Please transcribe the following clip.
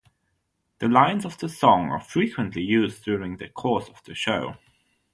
The lines of the song are frequently used during the course of the show.